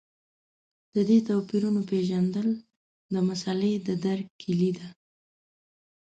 د دې توپیرونو پېژندل د مسألې د درک کیلي ده.